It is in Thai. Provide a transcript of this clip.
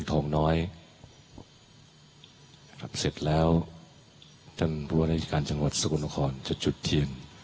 ท่านผู้ว่าในการจังหวัดสกลคอนจะจุดเทียน